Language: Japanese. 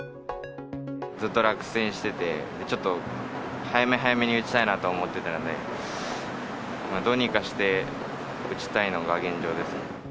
ずっと落選してて、ちょっと早め早めに打ちたいなと思っていたので、どうにかして打ちたいのが現状です。